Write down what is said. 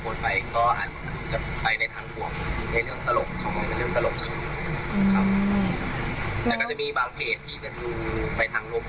ประมาททีสองทีสามแต่เรายังไม่ได้สังเกตอะไรเท่าไรครับ